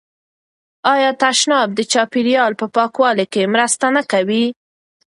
آیا تشناب د چاپیریال په پاکوالي کې مرسته نه کوي؟